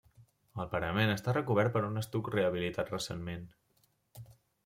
El parament està recobert per un estuc rehabilitat recentment.